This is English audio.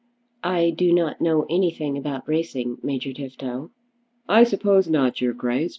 "I do not know anything about racing, Major Tifto." "I suppose not, your Grace.